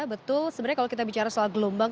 betul sebenarnya kalau kita bicara soal gelombang